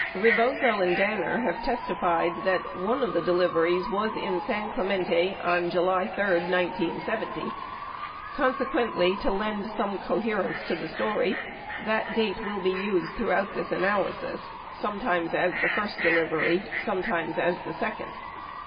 Rebozo and Danner have testified that one delivery was in San Clemente on July 3, 1970. Consequently, to lend some coherence to the story, that date will be used throughout this analysis, sometimes as the first delivery, sometimes as the second.